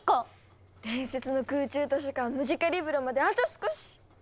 伝説の空中図書館ムジカリブロまであと少し！